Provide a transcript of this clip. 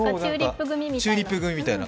チューリップ組みたいな。